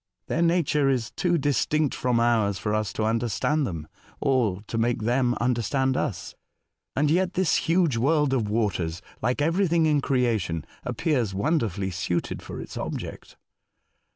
Their nature is too distinct from ours for us to understand them, or to make them understand us. And yet this 174 A Voyage to Other Worlds. huge world of waters, like everything in creation, appears wonderfully suited for its object."